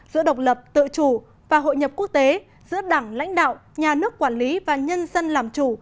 giữa độc lập tự chủ và hội nhập quốc tế giữa đảng lãnh đạo nhà nước quản lý và nhân dân làm chủ